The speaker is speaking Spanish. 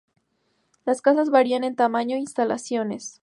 Las casas varían en tamaño e instalaciones.